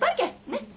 ねっ。